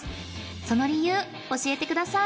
その理由教えてください